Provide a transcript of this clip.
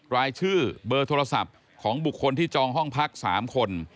รายชื่อเบอร์โทรศัพท์ของบุคคลที่จองห้องพัก๓คน